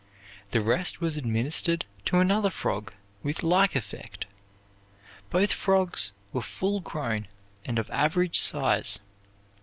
The rest was administered to another frog with like effect. Both frogs were full grown, and of average size.